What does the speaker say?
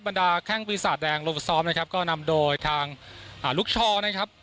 บรรดาแข้งปีศาจแดงลงซ้อมนะครับก็นำโดยทางลูกชอนะครับ